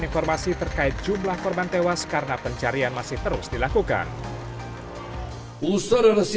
informasi terkait jumlah korban tewas karena pencarian masih terus dilakukan usaha